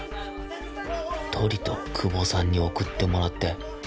トリと久保さんに送ってもらって